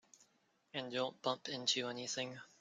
And don't bump into anything.